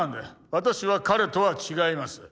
私は彼とは違います。